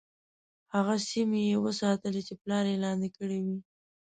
هغه سیمي یې وساتلې چې پلار یې لاندي کړې وې.